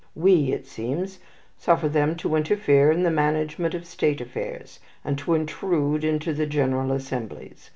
We, it seems, suffer them to interfere in the management of state affairs, and to intrude into the general assemblies.